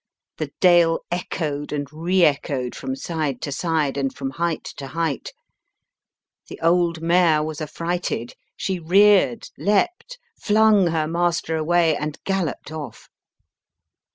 The dale echoed and re echoed from side to side, and from height to height. The old mare was affrighted ; she reared, leapt, flung her master away, and galloped off.